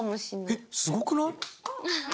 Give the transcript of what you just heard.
えっすごくない？